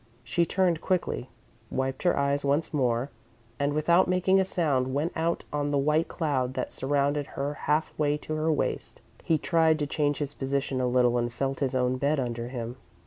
She turned quickly, wiped her eyes once more, and, without making a sound, went out on the white cloud that surrounded her half way to her waist. He tried to change his position a little and felt his own bed under him.